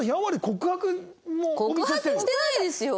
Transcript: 告白してないですよ！